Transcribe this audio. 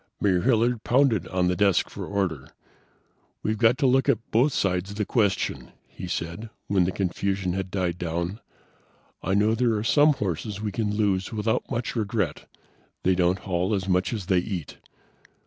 Mayor Hilliard pounded on the desk for order. "We've got to look at both sides of the question," he said, when the confusion had died down. "I know there are some horses we can lose without much regret; they don't haul as much as they eat.